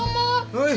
はい。